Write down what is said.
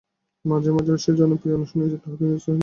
মাঝে মাঝে সে অপ্রিয় কথাও শুনিয়াছে, তাহাতেও নিরস্ত হয় নাই।